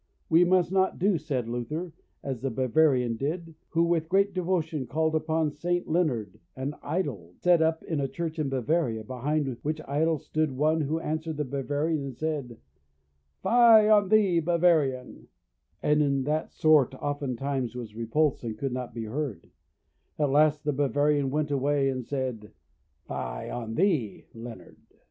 We must not do, said Luther, as the Bavarian did, who with great devotion called upon St. Leonard, an idol, set up in a church in Bavaria, behind which idol stood one who answered the Bavarian and said, "Fie on thee, Bavarian"; and in that sort oftentimes was repulsed, and could not be heard: at last, the Bavarian went away, and said, "Fie on thee, Leonard."